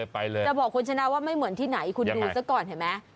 ไปเลยจะบอกคุณชนะว่าไม่เหมือนที่ไหนคุณดูซะก่อนเห็นไหม